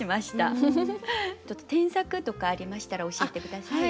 添削とかありましたら教えて下さい。